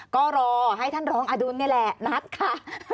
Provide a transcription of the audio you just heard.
ก็รอให้ท่านรองอดุลนี่แหละนัดค่ะ